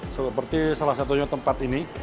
seperti salah satunya tempat ini